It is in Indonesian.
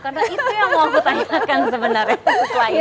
karena itu yang mau aku tanyakan sebenarnya